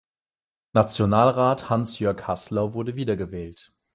Nationalrat Hansjörg Hassler wurde wiedergewählt.